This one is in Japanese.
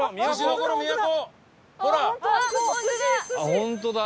本当だ。